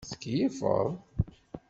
Tettkeyyifeḍ?